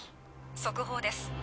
速報です